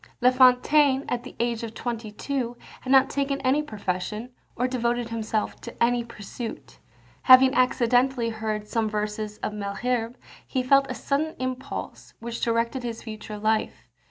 La Fontaine, at the age of twenty two, had not taken any profession, or devoted himself to any pursuit. Having accidentally heard some verses of Malherbe, he felt a sudden impulse, which directed his future life.